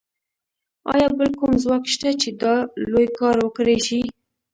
ایا بل کوم ځواک شته چې دا لوی کار وکړای شي